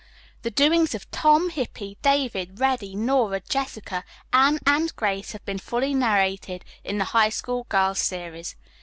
The doings of Tom, Hippy, David, Reddy, Nora, Jessica, Anne and Grace have been fully narrated in the "High School Girls Series."